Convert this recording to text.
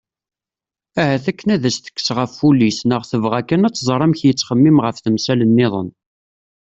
Ahat akken ad as-tekkes ɣef wul-is neɣ tebɣa kan ad tẓer amek yettxemmim ɣef temsal-nniḍen.